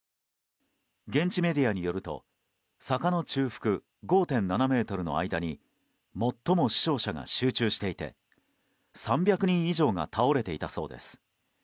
現地メディアによると坂の中腹５．７ｍの間に最も死傷者が集中していて３００人以上が倒れていたそうです。